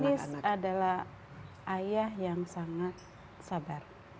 anies adalah ayah yang sangat sabar